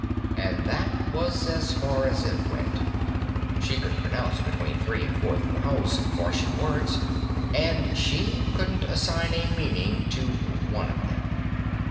And that was as far as it went. She could pronounce between three and four thousand Martian words, and she couldn't assign a meaning to one of them.